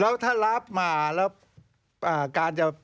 แล้วถ้ารับมาแล้วการจะ